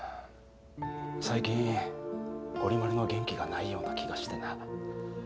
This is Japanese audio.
最近ゴリ丸の元気がないような気がしてな。